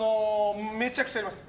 めちゃくちゃあります。